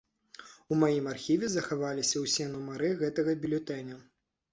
У маім архіве захаваліся ўсе нумары гэтага бюлетэня.